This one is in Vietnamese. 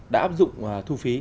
đã áp dụng thu phí